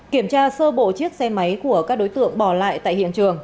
kiểm tra sơ bộ chiếc xe máy của các đối tượng bỏ lại tại hiện trường